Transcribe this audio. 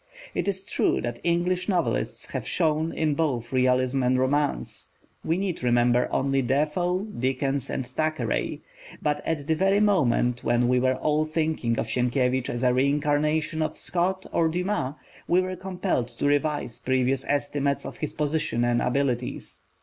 It is true that English novelists have shone in both realism and romance: we need remember only Defoe, Dickens, and Thackeray. But at the very moment when we were all thinking of Sienkiewicz as a reincarnation of Scott or Dumas, we were compelled to revise previous estimates of his position and abilities.